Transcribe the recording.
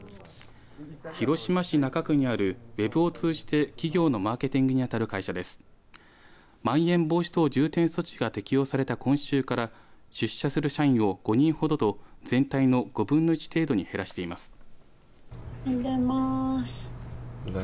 広島市中区にあるＷＥＢを通じて、企業のマーケディングにあたる会社ではまん延防止等重点措置が適用された今週から出社する社員を５人ほどと全体の５分の１程度に減らしています。